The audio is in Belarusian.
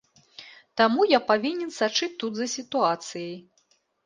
Таму я павінен сачыць тут за сітуацыяй.